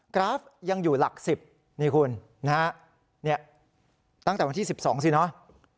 กราฟยังอยู่หลัก๑๐นี่คุณนะฮะตั้งแต่วันที่๑๒สิเนอะ